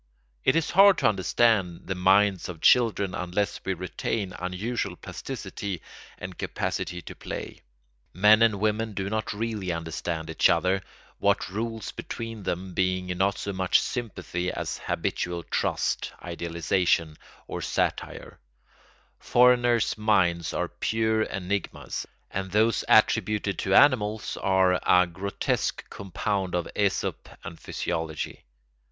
It is hard to understand the minds of children unless we retain unusual plasticity and capacity to play; men and women do not really understand each other, what rules between them being not so much sympathy as habitual trust, idealisation, or satire; foreigners' minds are pure enigmas, and those attributed to animals are a grotesque compound of Æsop and physiology.